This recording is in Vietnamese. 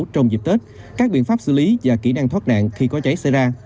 trong dịp tết các biện pháp xử lý và kỹ năng thoát nạn khi có cháy xảy ra